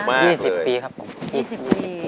๒๐ปีครับผม๒๐ปี